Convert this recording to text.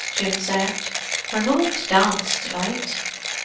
Jim said. "We're going to dance to night."